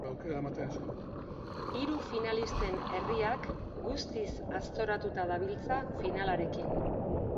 Hiru finalisten herriak guztiz aztoratuta dabiltza finalarekin.